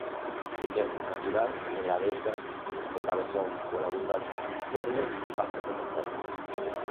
Riqueza natural en la Dehesa de Cabezón con abundantes robles y pastos de montaña.